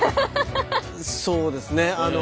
そうですねあの。